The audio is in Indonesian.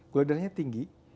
gula darahnya tinggi